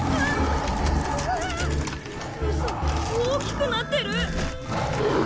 うそっ大きくなってる！？